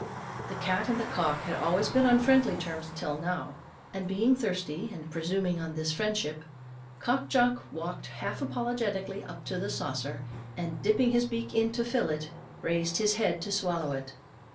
The cat and the cock had always been on friendly terms till now; and being thirsty, and presuming on this friendship, Cock Jock walked half apologetically up to the saucer, and dipping his beak in to fill it, raised his head to swallow it.